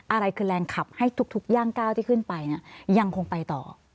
อะไรคือแรงขับให้ทุกย่างก้าวที่ขึ้นไปเนี่ยยังคงไปต่อ